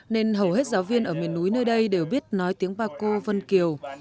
nên hầu hết giáo viên ở miền núi nơi đây đều biết nói tiếng ba cô vân kiều